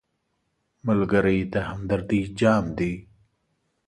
ملګری د همدردۍ جام دی